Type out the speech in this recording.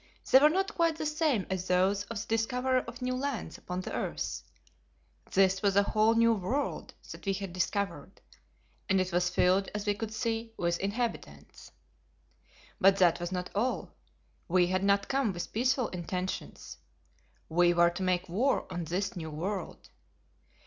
They were not quite the same as those of the discoverer of new lands upon the earth. This was a whole new world that we had discovered, and it was filled, as we could see, with inhabitants. But that was not all. We had not come with peaceful intentions. We were to make war on this new world.